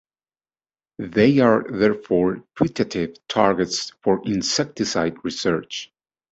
They are therefore putative targets for insecticide research.